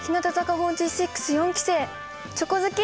４６四期生チョコ好き